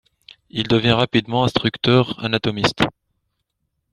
Il devient rapidement instructeur anatomiste.